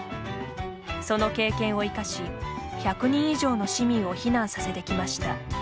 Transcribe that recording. その経験を生かし１００人以上の市民を避難させてきました。